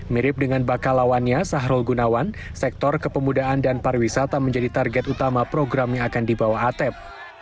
mirip dengan bakal lawannya sahrul gunawan sektor kepemudaan dan pariwisata menjadi target utama program yang akan dibawa atep